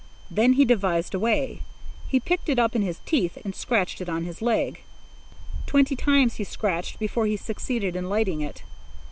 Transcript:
Then he devised a way. He picked it up in his teeth and scratched it on his leg. Twenty times he scratched before he succeeded in lighting it.